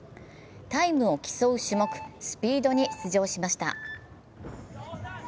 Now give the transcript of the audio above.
タイムを競う種目、スピードに出場しました。